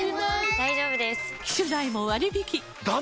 大丈夫です！